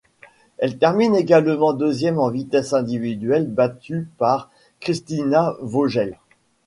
Elle termine également deuxième en vitesse individuelle, battue par Kristina Vogel.